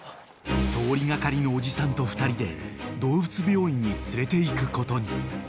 ［通りがかりのおじさんと２人で動物病院に連れていくことに］